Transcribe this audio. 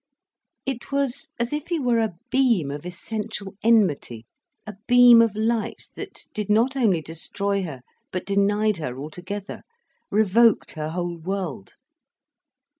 It was as if he were a beam of essential enmity, a beam of light that did not only destroy her, but denied her altogether, revoked her whole world.